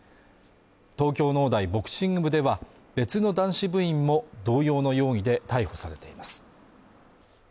東京農大ボクシング部では別の男子部員も同様の容疑で逮捕されています